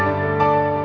atau udah punya anak